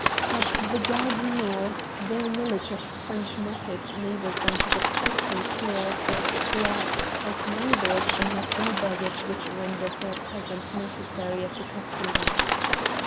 At the Gare du Nord, their knowledge of French methods enabled them to get quickly clear of the octroi, as neither of them had any baggage which rendered their presence necessary at the Custom house.